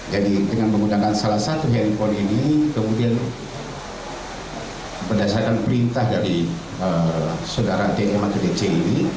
jadi dengan menggunakan salah satu handphone ini kemudian berdasarkan perintah dari saudara dm atau dc ini